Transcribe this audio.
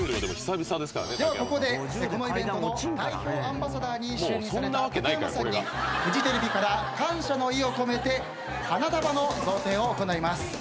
ではここでこのイベントの代表アンバサダーに就任された竹山さんにフジテレビから感謝の意を込めて花束の贈呈を行います。